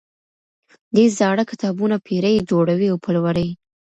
دی زاړه کتابونه پيري، جوړوي او پلوري.